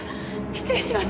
失礼します！